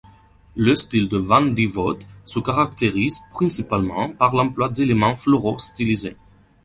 Le style de Van Dievoet se caractérise principalement par l'emploi d'éléments floraux stylisés.